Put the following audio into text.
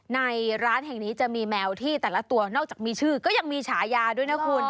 ในร้านแห่งนี้จะมีแมวที่แต่ละตัวนอกจากมีชื่อก็ยังมีฉายาด้วยนะคุณ